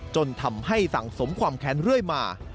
จนทำให้สั่งสมความแค้นเรื่อยมา